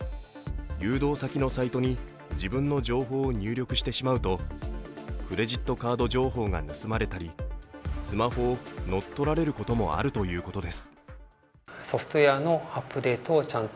誘導先のサイトに自分の情報を入力してしまうとクレジットカード情報が盗まれたりスマホを乗っ取られることもあるということです。